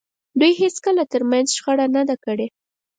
دوی هېڅکله تر منځ شخړه نه ده کړې.